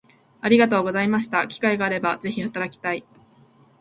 ありがとうございました機会があれば是非働きたい